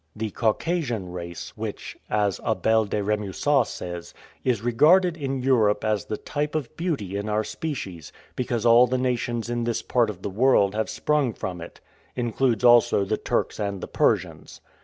The Caucasian race, which, as Abel de Remusat says, "is regarded in Europe as the type of beauty in our species, because all the nations in this part of the world have sprung from it," includes also the Turks and the Persians.